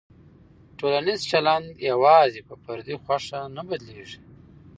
ټولنیز چلند یوازې په فردي خوښه نه بدلېږي.